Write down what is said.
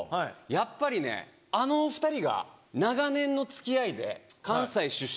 やっぱりねあの２人が長年の付き合いで。